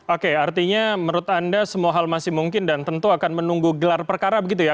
oke artinya menurut anda semua hal masih mungkin dan tentu akan menunggu gelar perkara begitu ya